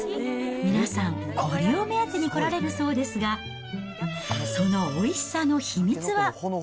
皆さん、これを目当てに来られるそうですが、そのおいしさの秘密は？